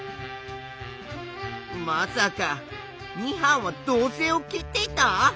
まさか２班は導線を切っていた？